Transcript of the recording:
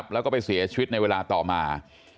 แล้วก็ไปเสียชีวิตในเวลาต่อมา